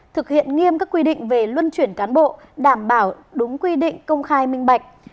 thực hiện nghiêm các quy định về luân chuyển cán bộ đảm bảo đúng quy định công khai minh bạch